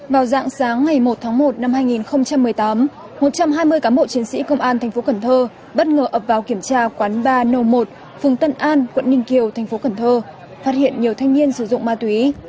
vào dạng sáng ngày một tháng một năm hai nghìn một mươi tám một trăm hai mươi cán bộ chiến sĩ công an thành phố cần thơ bất ngờ ập vào kiểm tra quán ba n một phường tân an quận ninh kiều thành phố cần thơ phát hiện nhiều thanh niên sử dụng ma túy